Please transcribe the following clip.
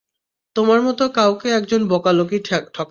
তোমার মত কাউকে একজন বোকা লোকই ঠকাবে।